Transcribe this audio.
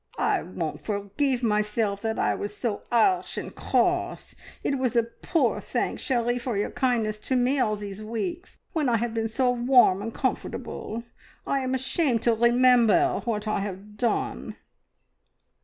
"I won't forgeeve myself that I was so 'arsh and cross. It was a poor thanks, cherie, for your kindness to me all these weeks when I have been so warm and comfortable. I am ashamed to remember what I have done."